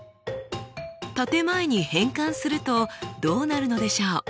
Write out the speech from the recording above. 建て前に変換するとどうなるのでしょう？